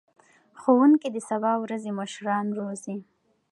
ښوونکي د سبا ورځې مشران روزي.